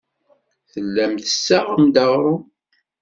Tellam tessaɣem-d aɣrum.